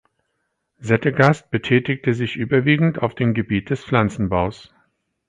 Settegast betätigte sich überwiegend auf dem Gebiet des Pflanzenbaus.